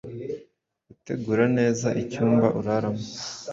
Gutegura neza icyumba uraramo,